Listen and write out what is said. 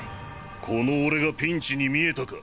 この俺がピンチに見えたか。